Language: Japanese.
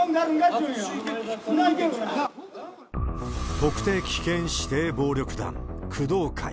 特定危険指定暴力団、工藤会。